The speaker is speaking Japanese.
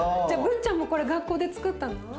じゃあブンちゃんもこれ学校でつくったの？